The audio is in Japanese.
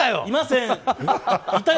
いません。